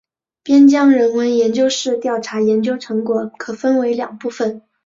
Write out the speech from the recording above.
边疆人文研究室调查研究成果可分为两部分。